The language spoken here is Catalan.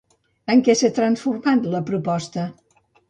En què s'ha transformat la proposta?